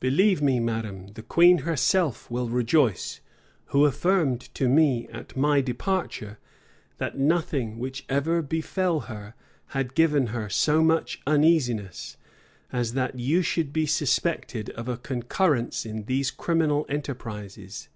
Believe me, madam, the queen herself will rejoice, who affirmed to me, at my departure, that nothing which ever befell her had given her so much uneasiness, as that you should be suspected of a concurrence in these criminal enterprises.